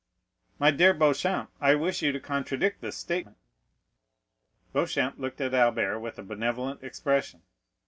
"My dear Beauchamp, I wish you to contradict this statement." Beauchamp looked at Albert with a benevolent expression.